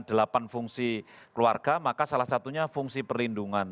delapan fungsi keluarga maka salah satunya fungsi perlindungan